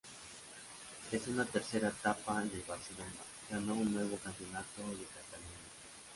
En una tercera etapa en el Barcelona ganó un nuevo campeonato de Cataluña.